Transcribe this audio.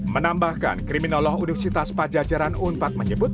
menambahkan kriminolog universitas pajajaran unpad menyebut